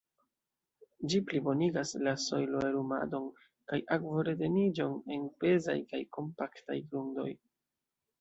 Ĝi plibonigas la sojlo-aerumadon kaj akvo-reteniĝon en pezaj kaj kompaktaj grundoj.